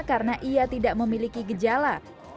karena ia tidak memiliki gejala